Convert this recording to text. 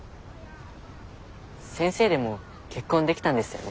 先生でも結婚できたんですよね？